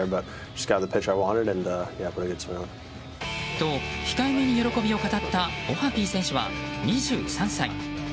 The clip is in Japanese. と、控えめに喜びを語ったオハピー選手は２３歳。